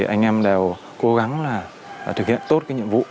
anh em đều cố gắng thực hiện tốt nhiệm vụ